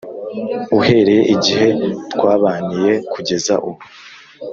uhereye igihe twabaniye kugeza ubu